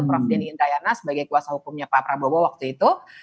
prof denny indrayana sebagai kuasa hukumnya pak prabowo waktu itu